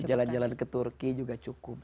jalan jalan ke turki juga cukup